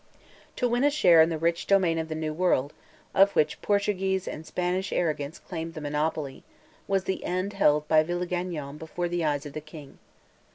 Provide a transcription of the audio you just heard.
To win a share in the rich domain of the New World, of which Portuguese and Spanish arrogance claimed the monopoly, was the end held by Villegagnon before the eyes of the King.